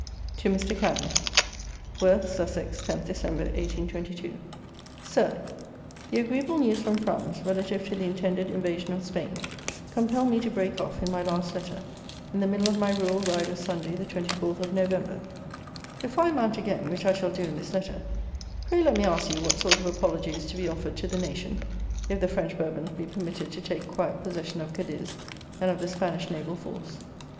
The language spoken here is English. TO MR. CANNING. Worth (Sussex), 10 December, 1822. SIR, The agreeable news from France, relative to the intended invasion of Spain, compelled me to break off, in my last Letter, in the middle of my Rural Ride of Sunday, the 24th of November. Before I mount again, which I shall do in this Letter, pray let me ask you what sort of apology is to be offered to the nation, if the French Bourbons be permitted to take quiet possession of Cadiz and of the Spanish naval force?